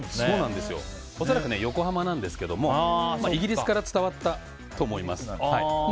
恐らく横浜なんですけどイギリスから伝わったと思います。